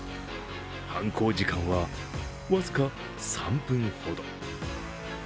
犯行時間は僅か３分ほど。